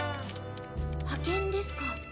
「派けん」ですか。